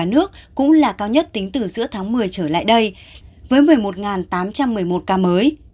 nước cũng là cao nhất tính từ giữa tháng một mươi trở lại đây với một mươi một tám trăm một mươi một ca mới